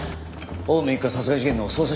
青梅一家殺害事件の捜査資料です。